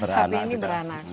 sapi ini beranak